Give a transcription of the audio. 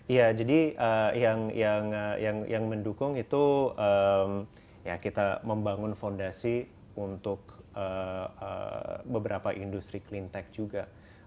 iya jadi yang mendukung itu ya kita membangun fondasi untuk beberapa industri klintak juga